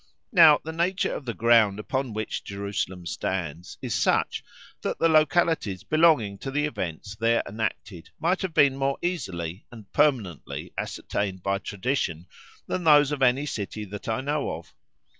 Now the nature of the ground upon which Jerusalem stands is such, that the localities belonging to the events there enacted might have been more easily, and permanently, ascertained by tradition than those of any city that I know of.